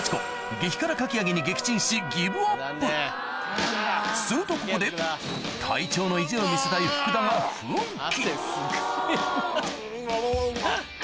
激辛かき揚げに撃沈しするとここで隊長の意地を見せたい福田が奮起いや！